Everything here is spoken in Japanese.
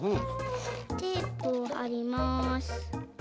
テープをはります。